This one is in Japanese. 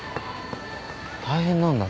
大変なんだね。